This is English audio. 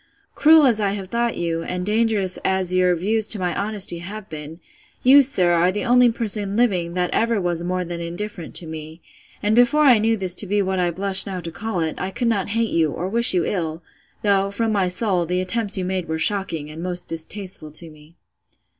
Cruel as I have thought you, and dangerous as your views to my honesty have been; you, sir, are the only person living that ever was more than indifferent to me: and before I knew this to be what I blush now to call it, I could not hate you, or wish you ill, though, from my soul, the attempts you made were shocking, and most distasteful to me.